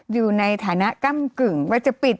อยู่ในฐานะกำกึ่งว่าจะปิด